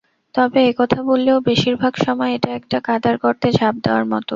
তবে একথা বললেও, বেশিরভাগ সময় এটা একটা কাদার গর্তে ঝাঁপ দেওয়ার মত।